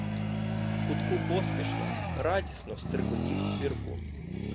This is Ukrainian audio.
В кутку поспішно, радісно стрикотів цвіркун.